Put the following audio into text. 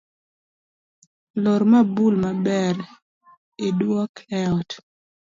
Lor mabul maber iduok eot